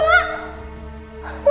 lo pernah tau